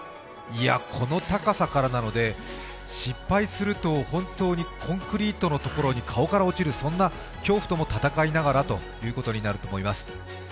この高さからなので、失敗すると本当にコンクリートのところに顔から落ちるそんな恐怖と戦いながらもということになります。